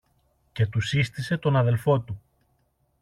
και του σύστησε τον αδελφό του.